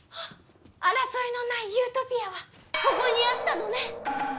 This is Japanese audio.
争いのないユートピアはここにあったのね。